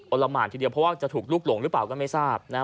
ละหมานทีเดียวเพราะว่าจะถูกลุกหลงหรือเปล่าก็ไม่ทราบ